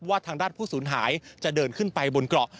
ว่าทางด้านผู้สูญหายจะเดินขึ้นไปบนเกาะ